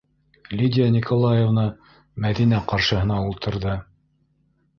- Лидия Николаевна Мәҙинә ҡаршыһына ултырҙы.